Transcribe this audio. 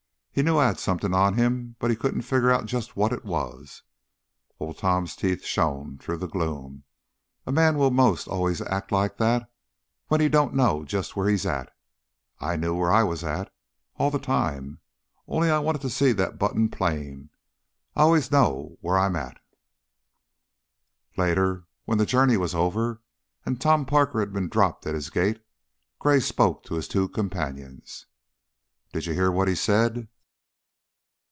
He knew I had something on him, but he couldn't figure just what it was." Old Tom's teeth shone through the gloom. "A man will 'most always act like that when he don't know just where he's at. I knew where I was at, all the time, only I wanted to see that button plain. I allus know where I'm at." Later, when the journey was over and Tom Parker had been dropped at his gate, Gray spoke to his two companions. "Did you hear what he said?"